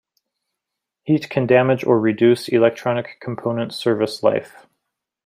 Heat can damage or reduce electronic component service life.